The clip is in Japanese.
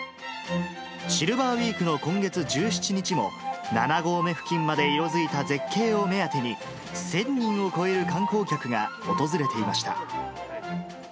シルバーウィークの今月１７日も、７合目付近まで色づいた絶景を目当てに、１０００人を超える観光客が訪れていました。